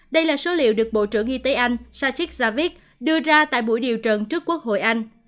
đây là số liệu được bộ trưởng y tế anh sachik zavich đưa ra tại buổi điều trần trước quốc hội anh